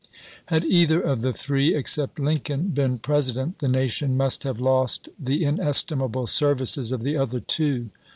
Had either of the three, except Lincoln, been President, the nation must have lost the inestimable services of the other two.